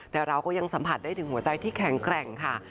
แต่เราก็ยังสัมผัสได้ถึงหัวใจที่แข็งแกร่งค่ะ